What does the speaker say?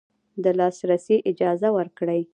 د لاسرسي اجازه ورکړي